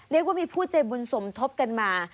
เรียกว่ามีผู้ใจบุญสมทบกันมา